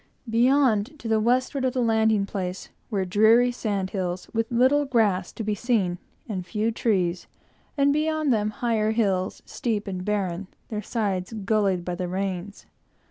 Beyond, to the westward of the landing place, were dreary sand hills, with little grass to be seen, and few trees, and beyond them higher hills, steep and barren, their sides gullied by the rains.